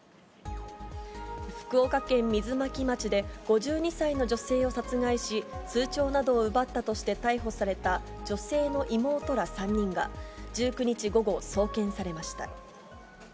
福岡県水巻町で、５２歳の女性を殺害し、通帳などを奪ったとして逮捕された女性の妹ら３人が、１９日午後、送検されました。